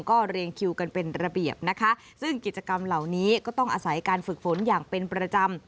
ก็เรียงคิวกันเป็นระเบียบนะคะซึ่งกิจกรรมเหล่านี้ก็ต้องอาศัยการฝึกฝนอย่างเป็นประจำ